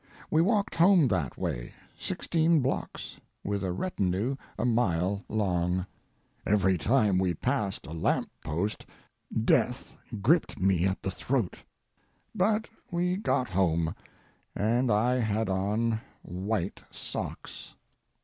We walked home that way, sixteen blocks, with a retinue a mile long: Every time we passed a lamp post, death gripped me at the throat. But we got home—and I had on white socks.